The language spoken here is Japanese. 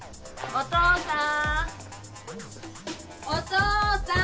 お父さん！